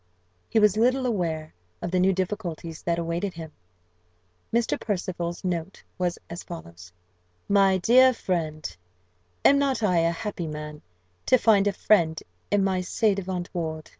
He was little aware of the new difficulties that awaited him. Mr. Percival's note was as follows: "My dear friend! "Am not I a happy man, to find a friend in my ci devant ward?